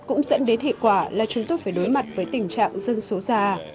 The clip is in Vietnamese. cũng dẫn đến hệ quả là chúng tôi phải đối mặt với tình trạng dân số già